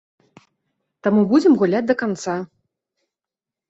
Таму будзем гуляць да канца.